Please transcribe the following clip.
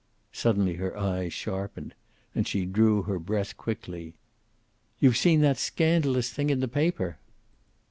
Suddenly her eyes sharpened, and she drew her breath quickly. "You've seen that scandalous thing in the paper!"